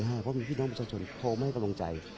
เพราะมีพี่น้องประชาชนโทรมาให้กำลังใจ